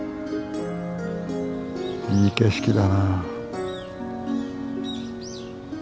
いい景色だな。